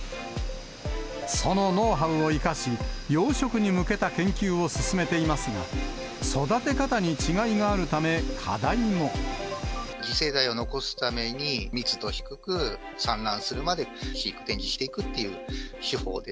そのノウハウを生かし、養殖に向けた研究を進めていますが、次世代を残すため、密度低く、産卵するまで飼育展示していくっていう手法で。